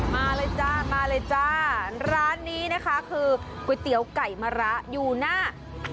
มาเลยจ้ามาเลยจ้าร้านนี้นะคะคือก๋วยเตี๋ยวไก่มะระอยู่หน้า